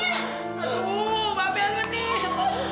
aduh mbak bel bening